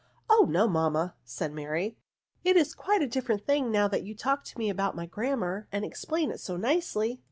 Oh no, mamma," said Mary; ''it is quite a different thing now that you talk to me about my Grammar, and explain it so nicely."